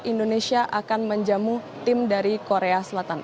indonesia akan menjamu tim dari korea selatan